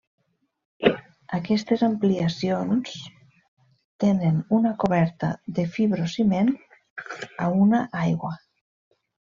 Aquestes ampliacions tenen una coberta de fibrociment a una aigua.